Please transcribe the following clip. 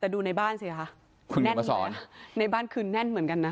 แต่ดูในบ้านสิคะคุณแน่นเหรอในบ้านคือแน่นเหมือนกันนะ